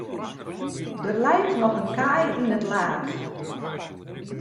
Der leit noch in kaai yn it laad.